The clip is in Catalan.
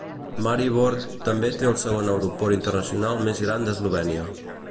Maribor també té el segon aeroport internacional més gran d'Eslovènia.